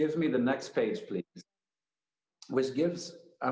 ini memberikan saya panggilan selanjutnya silakan